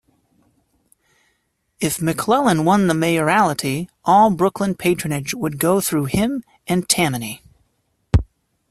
If McClellan won the mayoralty, all Brooklyn patronage would go through him and Tammany.